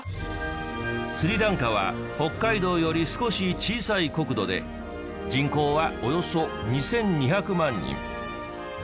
スリランカは北海道より少し小さい国土で人口はおよそ２２００万人。